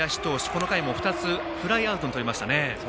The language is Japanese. この回も２つフライアウトとりましたね。